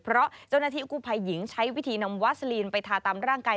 เพราะเจ้าหน้าที่กู้ภัยหญิงใช้วิธีนำวาซาลีนไปทาตามร่างกาย